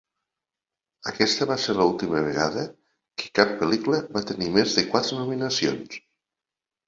Aquesta va ser l'última vegada que cap pel·lícula va tenir més de quatre nominacions.